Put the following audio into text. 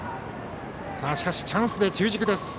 しかし、チャンスで中軸です。